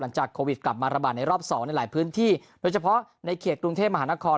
จากโควิดกลับมาระบาดในรอบสองในหลายพื้นที่โดยเฉพาะในเขตกรุงเทพมหานคร